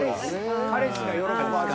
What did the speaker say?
彼氏が喜ぶ味。